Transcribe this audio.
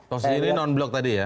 posisi ini non block tadi ya